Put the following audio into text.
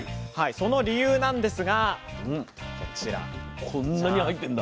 その理由なんですがこちらジャン。